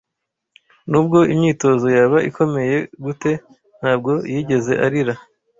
Nubwo imyitozo yaba ikomeye gute, ntabwo yigeze arira.